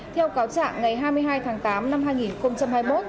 theo cáo trạng ngày hai mươi hai tháng tám năm hai nghìn hai mươi một